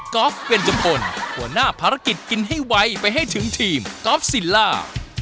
อล์ฟเวรจุมพลหัวหน้าภารกิจกินให้ไวไปให้ถึงทีมกอล์ฟซิลล่า